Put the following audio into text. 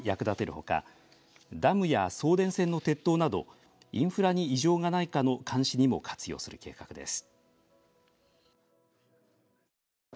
ほかダムや送電線の鉄塔などインフラに異常がないかの監視にも活用する計画です。